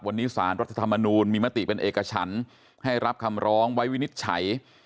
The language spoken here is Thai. วันนี้สารรัฐธรรมนูลมีมติเป็นเอกฉันให้รับคำร้องไว้วินิจฉัย